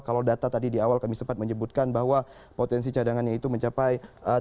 kalau data tadi di awal kami sempat menyebutkan bahwa potensi cadangannya itu mencapai tiga